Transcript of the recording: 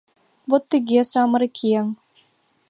Вот тыге, самырык еҥ.